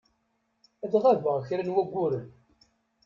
Ad ɣabeɣ kra n wayyuren.